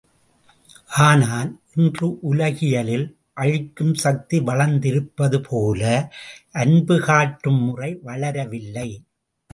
ஆனால், இன்று உலகியலில் அழிக்கும் சக்தி வளர்ந்திருப்பதுபோல, அன்பு காட்டும் முறை வளரவில்லை.